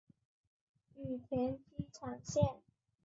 羽田机场线